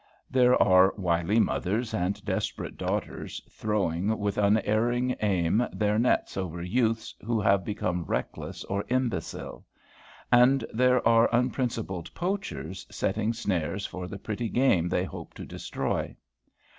There are wily mothers and desperate daughters throwing with unerring aim their nets over youths who have become reckless or imbecile. And there are unprincipled poachers setting snares for the pretty game they hope to destroy.